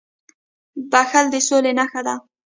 • بښل د سولي نښه ده.